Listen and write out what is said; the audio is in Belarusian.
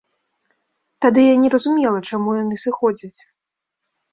Тады я не разумела, чаму яны сыходзяць.